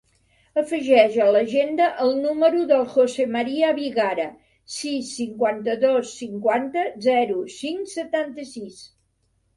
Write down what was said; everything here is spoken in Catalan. Afegeix a l'agenda el número del José maria Vigara: sis, cinquanta-dos, cinquanta, zero, cinc, setanta-sis.